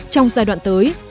trong giai đoạn tới